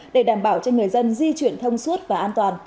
để đảm bảo cho người dân di chuyển thông suốt và an toàn